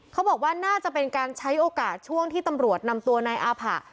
เขาบอกว่าน่าจะเป็นการใช้โอกาสช่วงที่ตำรวจนำตัวนายอาผะ